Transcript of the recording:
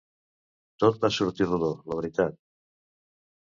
Tot va sortir rodó, la veritat.